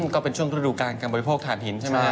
ก็เป็นช่วงเวลาการการบริโภคฐานหินใช่มั้ย